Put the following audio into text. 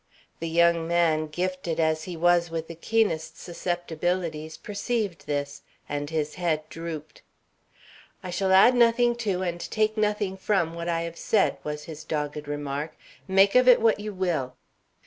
The young man, gifted as he was with the keenest susceptibilities, perceived this, and his head drooped. "I shall add nothing to and take nothing from what I have said," was his dogged remark. "Make of it what you will."